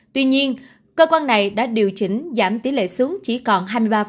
tuy nhiên cơ quan này đã điều chỉnh giảm tỷ lệ xuống chỉ còn hai mươi ba